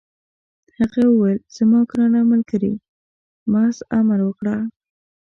هغه وویل: زما ګرانه ملګرې، محض امر وکړه.